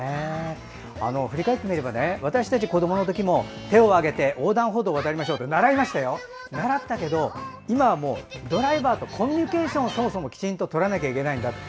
振り返ってみれば私たちが子どもの時も手をあげて横断歩道を渡りましょうって習ったけど今はもうドライバーとコミュニケーションをきちんととらないといけないと。